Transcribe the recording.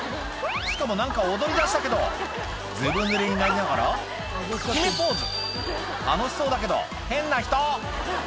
しかも何か踊りだしたけどずぶぬれになりながら決めポーズ楽しそうだけど変な人！